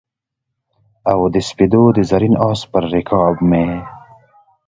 او د سپېدو د زرین آس پر رکاب مې